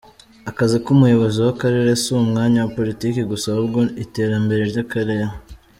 "Akazi k'umuyobozi w'akarere si umwanya wa politiki gusa, ahubwo iterambere ry'akarere.